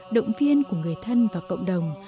động viên của người thân và cộng đồng